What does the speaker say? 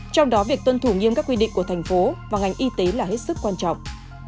trong đó việc tuân thủ nghiêm các quy định của thành phố và ngành y tế là hết sức quan trọng